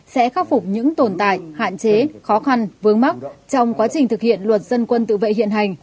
sẽ khắc phục những tồn tại hạn chế khó khăn vướng mắt trong quá trình thực hiện luật dân quân tự vệ hiện hành